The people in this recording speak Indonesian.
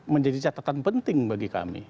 menjadi catatan penting bagi kami